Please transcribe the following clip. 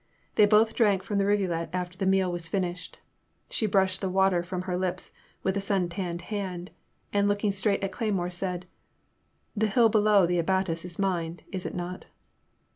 They both drank from the rivulet after the meal was finished. She brushed the water from her lips with a sun tanned hand, and looking straight at Cleymore, said :The hill below the abatis is mined, is it not?